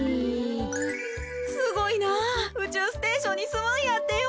すごいなうちゅうステーションにすむんやってよ。